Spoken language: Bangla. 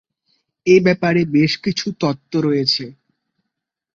এ ব্যাপারে বেশ কিছু তত্ত্ব রয়েছে।